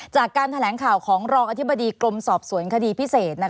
จากการแถลงข่าวของรองอธิบดีกรมสอบสวนคดีพิเศษ